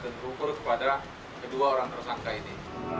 dan berukur kepada kedua orang tersangka ini